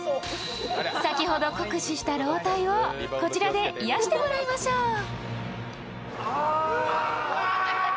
先ほど酷使した老体を、こちらで癒してもらいましょう。